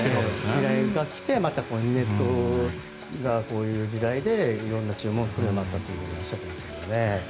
依頼が来てネットが、こういう時代で色んな注文が来るようになったとおっしゃってましたけどね。